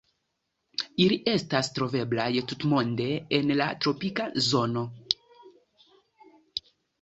Ili estas troveblaj tutmonde en la tropika zono.